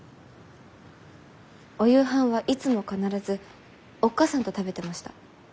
・お夕飯はいつも必ずおっ母さんと食べてました。